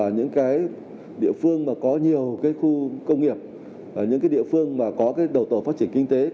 những địa phương có nhiều khu công nghiệp những địa phương có đầu tổ phát triển kinh tế